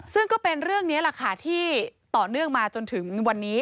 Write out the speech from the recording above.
ซึ่งก็เป็นเรื่องนี้แหละค่ะที่ต่อเนื่องมาจนถึงวันนี้